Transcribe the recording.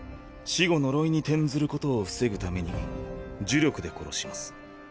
死後呪いに転ずることを防ぐために呪力で殺します。